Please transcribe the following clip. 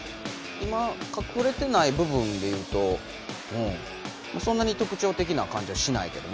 今かくれてない部分でいうとそんなに特徴的なかんじはしないけどね。